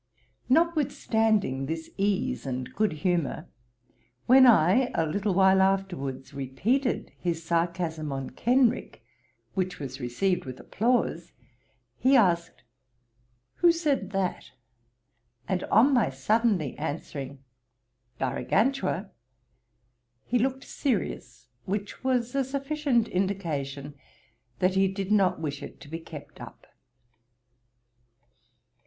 Notwithstanding this ease and good humour, when I, a little while afterwards, repeated his sarcasm on Kenrick, which was received with applause, he asked, 'Who said that?' and on my suddenly answering, Garagantua, he looked serious, which was a sufficient indication that he did not wish it to be kept up.